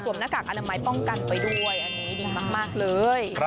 หน้ากากอนามัยป้องกันไปด้วยอันนี้ดีมากเลย